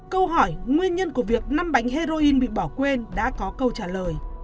câu hỏi nguyên nhân của việc năm bánh heroin bị bỏ quên đã có câu trả lời